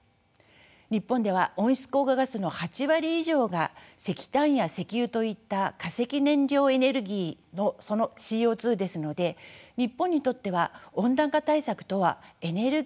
日本では温室効果ガスの８割以上が石炭や石油といった化石燃料エネルギーのＣＯ２ですので日本にとっては温暖化対策とはエネルギー対策なのです。